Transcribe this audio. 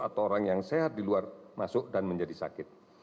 atau orang yang sehat di luar masuk dan menjadi sakit